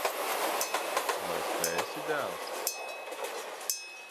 Vai spēsi, dēls?